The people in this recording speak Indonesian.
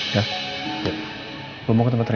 ya aku mau ke tempat rendi